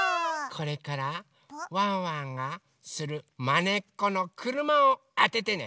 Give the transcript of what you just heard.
これからワンワンがするまねっこのくるまをあててね。